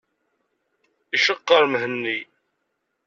Iceqqer Mhenni.